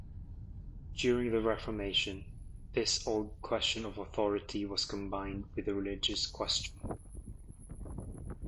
During the Reformation, this old question of authority was combined with the religious question.